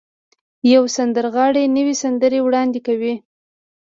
يوه سندرغاړې نوې سندرې وړاندې کوي.